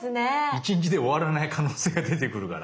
１日で終わらない可能性が出てくるから。